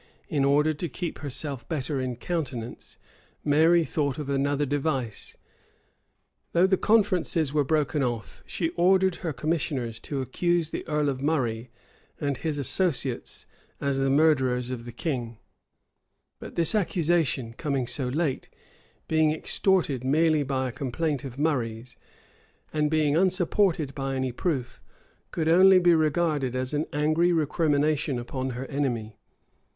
In order to keep herself better in countenance, Mary thought of another device. Though the conferences were broken off, she ordered her commissioners to accuse the earl of Murray and his associates as the murderers of the king:[] but this accusation, coming so late, being extorted merely by a complaint of Murray's, and being unsupported by any proof, could only be regarded as an angry recrimination upon her enemy.